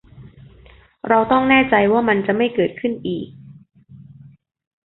เราต้องแน่ใจว่ามันจะไม่เกิดขึ้นอีก